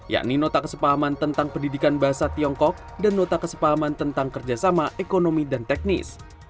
yang terakhir adalah kawasan indonesia rrt yang terkait dengan kesehatan